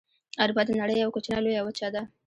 اروپا د نړۍ یوه کوچنۍ لویه وچه ده.